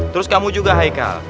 terus kamu juga haikal